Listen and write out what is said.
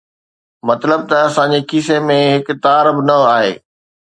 مطلب ته اسان جي کيسي ۾ هڪ تار به نه آهي